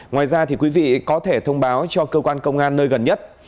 ngoài ra thì quý vị có thể thông báo cho cơ quan công an nơi gần nhất